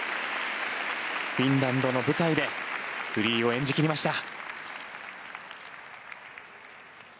フィンランドの舞台でフリーを演じ切りました。